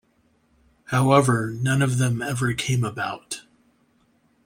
However, none of them ever came about.